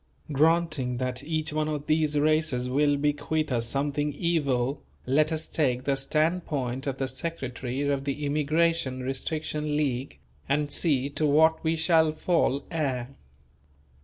Granting that each one of these races will bequeath us something evil, let us take the standpoint of the secretary of the Immigration Restriction League and see to what we shall fall heir.